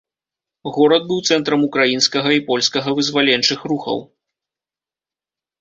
Горад быў цэнтрам украінскага і польскага вызваленчых рухаў.